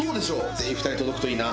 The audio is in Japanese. ぜひ２人に届くといいな。